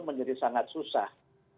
menjadi sangat susah